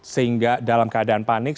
sehingga dalam keadaan panik